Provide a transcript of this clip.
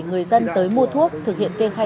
người dân tới mua thuốc thực hiện kê khai